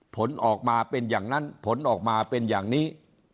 ผลออกมาเป็นอย่างนั้นผลออกมาเป็นอย่างนี้